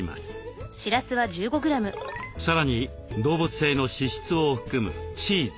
さらに動物性の脂質を含むチーズ。